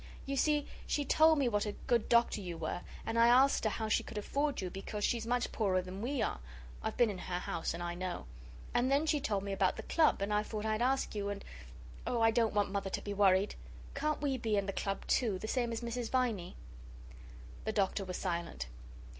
"You see she told me what a good doctor you were, and I asked her how she could afford you, because she's much poorer than we are. I've been in her house and I know. And then she told me about the Club, and I thought I'd ask you and oh, I don't want Mother to be worried! Can't we be in the Club, too, the same as Mrs. Viney?" The Doctor was silent.